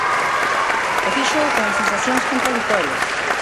E fíxoo con sensacións contraditorias.